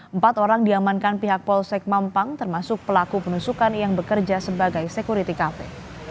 empat orang diamankan pihak polsek mampang termasuk pelaku penusukan yang bekerja sebagai security kafe